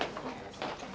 sarangkan diri kamu semua